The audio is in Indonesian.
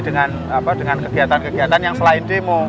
dengan kegiatan kegiatan yang selain demo